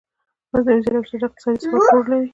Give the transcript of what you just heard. مصنوعي ځیرکتیا د اقتصادي ثبات رول لري.